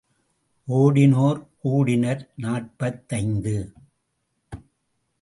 ஓடினோர் கூடினர் நாற்பத்தைந்து.